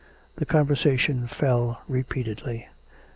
The conversation fell repeatedly.